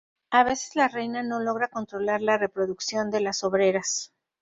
A veces la reina no logra controlar la reproducción de las obreras.